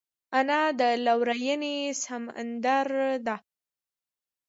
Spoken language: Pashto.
انا د لورینې سمندر ده